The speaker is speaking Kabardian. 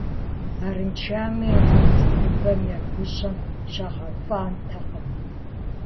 Арыншамэ, ар цӏыхубэм я гущӏэм щагъэфӏэнтэкъым.